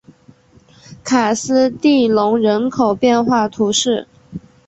卡斯蒂隆人口变化图示